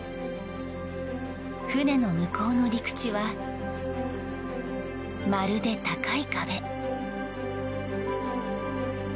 船の向こうの陸地はまるで高い壁。